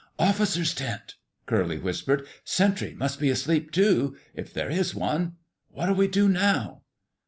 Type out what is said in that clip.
"Officers' tent!" Curly whispered. "Sentry must be asleep, too—if there is one. What'll we do now?"